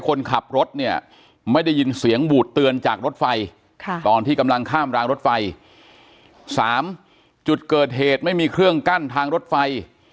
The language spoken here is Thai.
คนขับรถเนี่ยไม่ได้ยินเสียงบูดเตือนจากรถไฟตอนที่